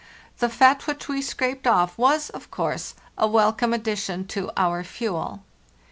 The fat which we scraped off was, of course,a welcome addition to our fuel.